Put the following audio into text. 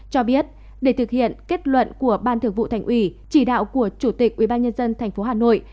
cho biết để thực hiện kết luận của ban thượng vụ thành ủy chỉ đạo của chủ tịch ubnd tp hà nội